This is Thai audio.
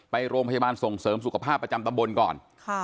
ไปโรงพยาบาลส่งเสริมสุขภาพประจำตำบลก่อน